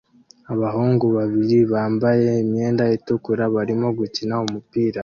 Abahungu babiri bambaye imyenda itukura barimo gukina umupira